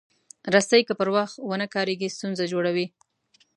رسۍ که پر وخت ونه کارېږي، ستونزه جوړوي.